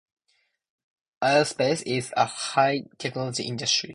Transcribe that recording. Aerospace is a high technology industry.